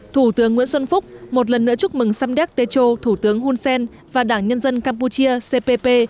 thủ tướng nguyễn xuân phúc một lần nữa chúc mừng samdek techo thủ tướng hun sen và đảng nhân dân campuchia cpp